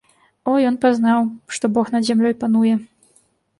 О, ён пазнаў, што бог над зямлёй пануе!